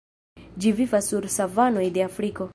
Ĝi vivas sur savanoj de Afriko.